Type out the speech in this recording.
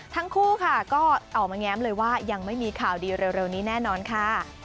ทั้งคู่ค่ะก็ออกมาแง้มเลยว่ายังไม่มีข่าวดีเร็วนี้แน่นอนค่ะ